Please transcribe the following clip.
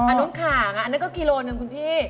อันนู้นขางอันนั้นก็กิโลหนึ่งคุณพี่